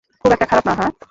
খুব একটা খারাপ না, হাহ?